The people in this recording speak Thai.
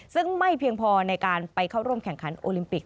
ซึ่งไม่เพียงพอในการไปเข้าร่วมแข่งขันโอลิมปิก